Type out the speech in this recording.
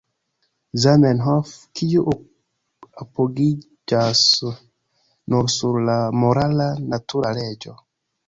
Zamenhof, kiu apogiĝas nur sur la morala natura leĝo.